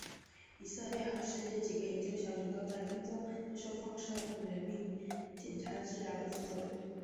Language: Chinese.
以色列和世界几个研究小组都在跟踪接受放射的病人并检查治疗的副作用。